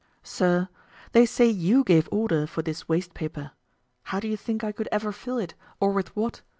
SIR, They say you gave order for this waste paper; how do you think I could ever fill it, or with what?